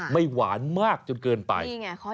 หวานมากจนเกินไป